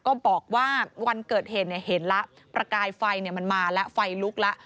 บอกว่าวันเกิดเหตุเห็นแล้วประกายไฟมันมาแล้วไฟลุกแล้ว